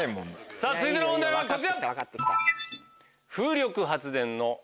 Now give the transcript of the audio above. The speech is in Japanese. さぁ続いての問題はこちら。